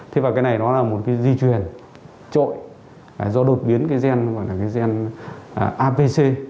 thế và cái này nó là một cái di truyền trội do đột biến cái gen gọi là cái gen apc